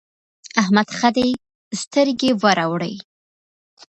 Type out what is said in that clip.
احمد ښه دی؛ سترګې ور اوړي.